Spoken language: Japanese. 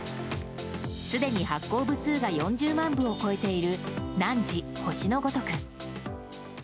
すでに発行部数が４０万部を超えている「汝、星のごとく」。